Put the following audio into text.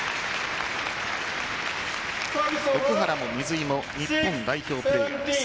奥原も水井も日本代表プレーヤーです。